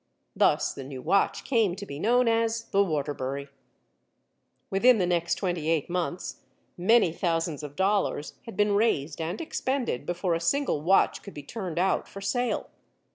Thus the new watch came to be known as the Waterbury. Within the next twenty eight months many thousands of dollars had been raised and expended before a single watch could be turned out for sale.